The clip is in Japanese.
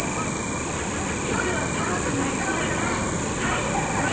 夜は寒くなりそうだからはいこれ。